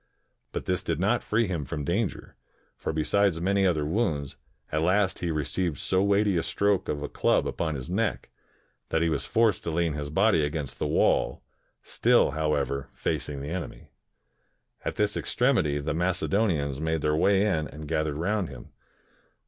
But this did not free him from danger; for be sides many other wounds, at last he received so weighty a stroke of a club upon his neck, that he was forced to lean his body against the wall, still, however, facing the enemy. At this extremity, the ]Macedonians made their way in and gathered roimd him.